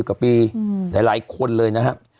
กว่าปีหลายคนเลยนะครับ